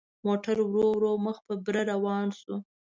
موټر ورو ورو مخ په بره روان شو.